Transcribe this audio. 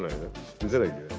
見せないといけない。